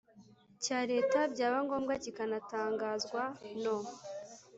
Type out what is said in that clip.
cya Leta byaba ngombwa kikanatangazwa no